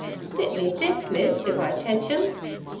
'Spit me death, miss, if I tetch em.